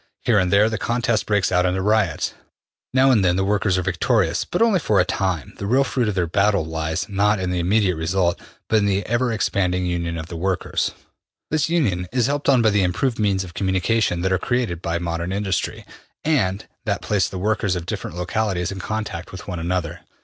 Here and there the contest breaks out into riots. Now and then the workers are victorious, but only for a time. The real fruit of their battles lies, not in the immediate result, but in the ever expanding union of the workers. This union is helped on by the im proved means of communication that are created by modern industry, and that place the workers of different localities in contact with one another.